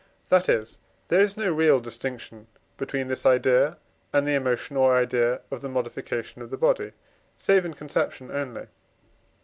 that is, there is no real distinction between this idea and the emotion or idea of the modification of the body, save in conception only.